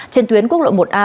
trên tuyến quốc lộ một a